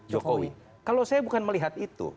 jokowi kalau saya bukan melihat itu